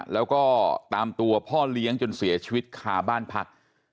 แล้วก็ตามตัวพ่อเลี้ยงจนเสียชีวิตคาบ้านพัก